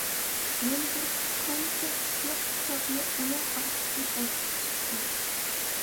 يەنە بىر قانچە چىشلىق چاقمۇ ئۇنىڭ ئارقىسىدىن ئەگىشىپ چىقتى.